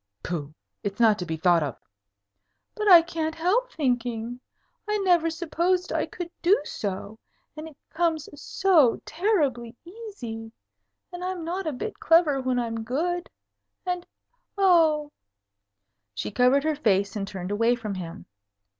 "Pooh! It's not to be thought of." "But I can't help thinking. I never supposed I could do so. And it comes so terribly easy. And I'm not a bit clever when I'm good. And oh!" She covered her face and turned away from him.